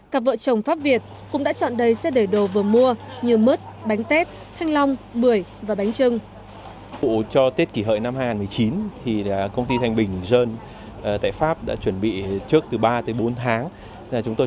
cặp vợ chồng pháp việt cũng đã chọn đầy xe để đồ vừa mua như mứt bánh tét thanh long bưởi và bánh trưng